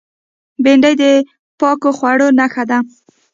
بېنډۍ د پاکو خوړو نخښه ده